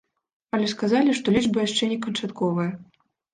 Але сказалі, што лічба яшчэ не канчатковая.